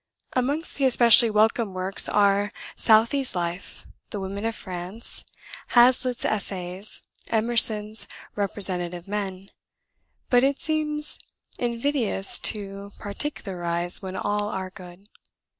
"Amongst the especially welcome works are 'Southey's Life', the 'Women of France,' Hazlitt's 'Essays,' Emerson's 'Representative Men;' but it seems invidious to particularise when all are good.